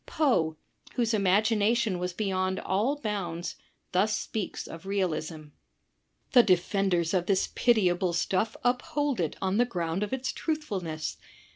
Poe, whose imagination was beyond all bounds, thus speaks of realism: "The defenders of this pitiable stuff uphold it on the ground of its truthfulness.